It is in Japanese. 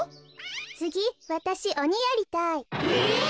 つぎわたしおにやりたい。え！？